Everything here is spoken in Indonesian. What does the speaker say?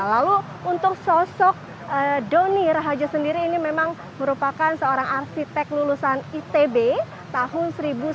lalu untuk sosok doni rahajo sendiri ini memang merupakan seorang arsitek lulusan itb tahun seribu sembilan ratus sembilan puluh